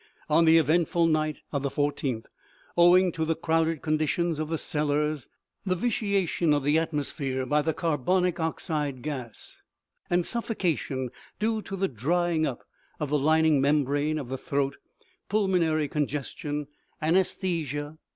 On the eventful night of the 1 4th, owing to the crowded condition of the cellars, the vitiation of the atmosphere by the carbonic oxide gas, and suffocation due to the drying up of the lining mem brane of the throat, pulmonary congestion, anaesthesia, OMEGA.